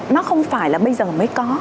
nó không phải là bây giờ mới có